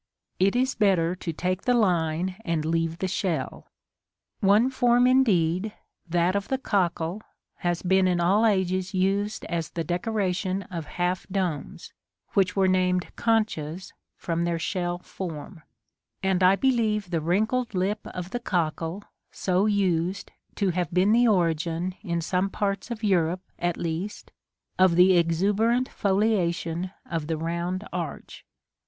It is better to take the line and leave the shell. One form, indeed, that of the cockle, has been in all ages used as the decoration of half domes, which were named conchas from their shell form: and I believe the wrinkled lip of the cockle, so used, to have been the origin, in some parts of Europe at least, of the exuberant foliation of the round arch.